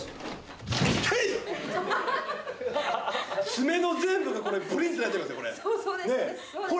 爪の全部がこれブリンってなっちゃいますよこれ。